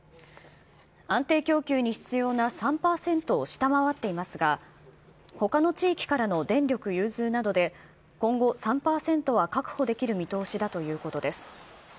安定供給に必要な３％を下回っていますが、ほかの地域からの電力融通などで今後、３％は確保できる見通しだということです。